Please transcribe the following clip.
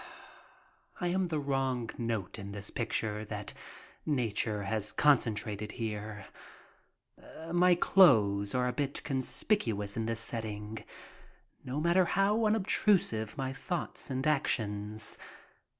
I am the wrong note in this picture that nature has con centrated here. My clothes are a bit conspicuous in this setting, no matter how unobtrusive my thoughts and actions.